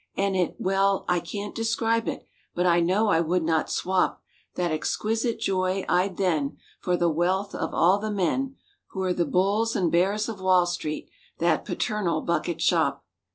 And it—well, I can't describe it— But I know I would not swap That exquisite joy I'd then For the wealth of all the men Who're the "bulls" and "bears" of Wall Street That paternal bucket shop.